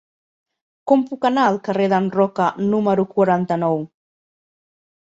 Com puc anar al carrer d'en Roca número quaranta-nou?